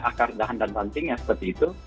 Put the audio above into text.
akar dahan dan panting ya seperti itu